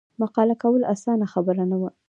مقابله کول اسانه خبره نه وه.